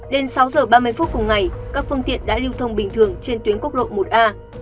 đến sáu giờ ba mươi phút cùng ngày các phương tiện đã lưu thông bình thường trên tuyến quốc lộ một a